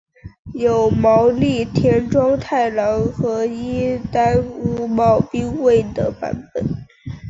有毛利田庄太郎和伊丹屋茂兵卫的版本。